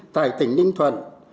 tại tỉnh ninh thuận